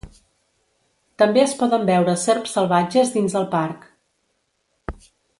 També es poden veure serps salvatges dins el parc.